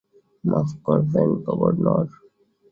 মাফ করবেন, গভর্নর।